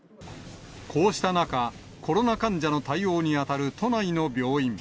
こうした中、コロナ患者の対応に当たる都内の病院。